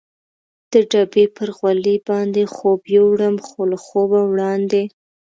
د ډبې پر غولي باندې خوب یووړم، خو له خوبه وړاندې.